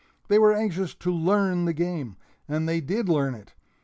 They were anxious to learn the game and they did learn it!